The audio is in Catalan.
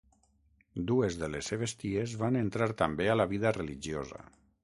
Dues de les seves ties van entrar també a la vida religiosa.